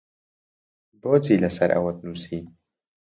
بۆچی لەسەر ئەوەت نووسی؟